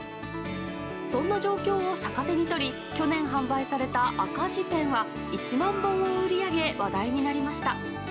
そんな状況を逆手に取り去年販売された赤字ペンは１万本を売り上げ話題になりました。